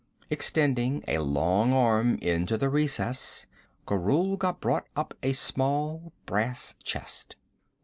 Extending a long arm into the recess, Gorulga brought up a small brass chest.